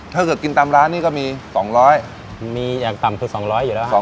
ถ้าเกิดกินตามร้านนี้ก็มี๒๐๐มีอย่างต่ำสุด๒๐๐อยู่แล้วครับ